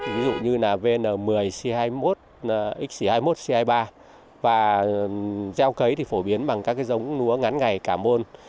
ví dụ như là vn một mươi c hai mươi một xc hai mươi một c hai mươi ba và gieo cấy thì phổ biến bằng các dông lúa ngắn ngày cả môn